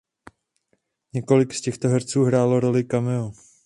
Několik z těchto herců hrálo roli cameo.